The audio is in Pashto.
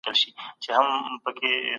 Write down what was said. باطل په درواغو سره ځان ښکاره کوی.